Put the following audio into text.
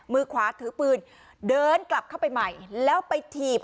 มือขวาถือปืนเดินกลับเข้าไปใหม่แล้วไปถีบ